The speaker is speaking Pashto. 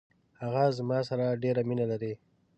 هغه زما سره ډیره مینه لري.